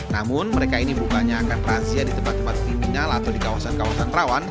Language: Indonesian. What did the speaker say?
namun mereka ini bukannya akan rahasia di tempat tempat kriminal atau di kawasan kawasan rawan